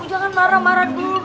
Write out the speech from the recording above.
jangan marah marah dulu